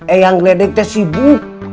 eyang gledek itu sibuk